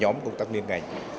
nhóm công tác liên ngành